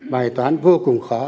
bài toán vô cùng khó